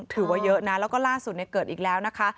ถือว่าเยอะนะแล้วก็ล่าสุดเกิดอีกแล้วนะคะ